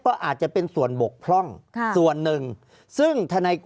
ภารกิจสรรค์ภารกิจสรรค์